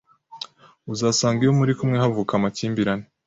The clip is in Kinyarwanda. Uzasanga iyo muri kumwe havuka amakimbirane